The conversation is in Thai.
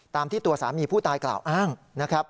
ตามที่ตัวสามีผู้ตายกล่าวอ้างนะครับ